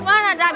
kita kata diam